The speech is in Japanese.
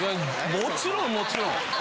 もちろんもちろん。